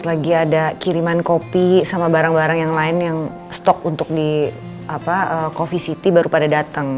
lagi ada kiriman kopi sama barang barang yang lain yang stok untuk di coffee city baru pada datang